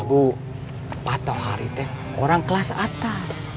iya bu pak tohari orang kelas atas